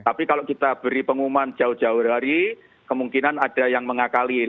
tapi kalau kita beri pengumuman jauh jauh hari kemungkinan ada yang mengakali